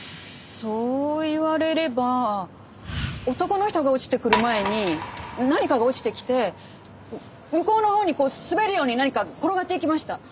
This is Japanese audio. そう言われれば男の人が落ちてくる前に何かが落ちてきて向こうのほうに滑るように何か転がっていきました。